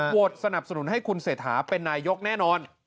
สนับสนุนให้คุณเศรษฐาเป็นนายกแน่นอน